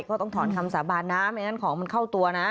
ก็ต้องถอนคำสาบานนะไม่งั้นของมันเข้าตัวนะ